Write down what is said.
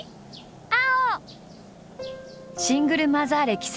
青！